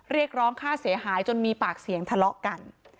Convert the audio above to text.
เรียกร้องค่าเสียหายจนมีปากเสียงทะเลาะกัน